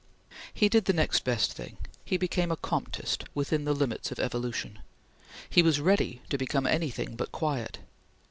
He did the next best thing; he became a Comteist, within the limits of evolution. He was ready to become anything but quiet.